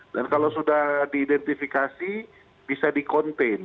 dan kalau sudah diidentifikasi bisa di contain